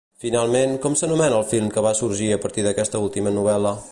Finalment, com s'anomena el film que va sorgir a partir d'aquesta última novel·la?